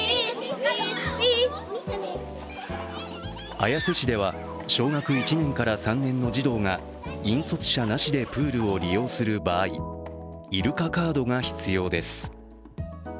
綾瀬市では、小学１年から３年の児童が引率者なしでプールを利用する場合、イルカカードが必要です。